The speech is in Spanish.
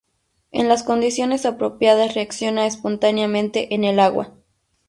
En las condiciones apropiadas reacciona espontáneamente en el agua.